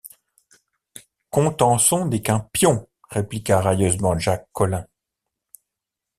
Contenson n’est qu’un pion, répliqua railleusement Jacques Collin.